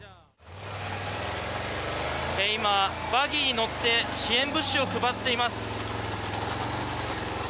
今、バギーに乗って支援物資を配っています。